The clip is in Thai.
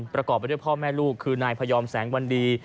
ประกอบไปด้วยพ่อแม่ลูกคือนายพยอมแสงวันดี